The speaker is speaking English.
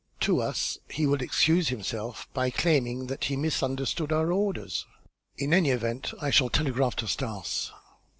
To us he will excuse himself by claiming that he misunderstood our orders. In any event, I shall telegraph to Stas."